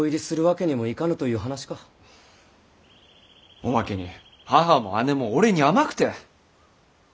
おまけに母も姉も俺に甘くて。